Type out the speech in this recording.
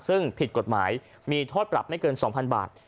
ซึ่งผิดกฎหมายมีโทษปรับไม่เกิน๒๐๐๐บาท